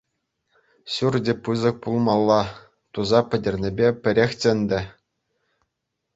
Ҫурчӗ пысӑк пулмалла, туса пӗтернӗпе пӗрехчӗ ӗнтӗ.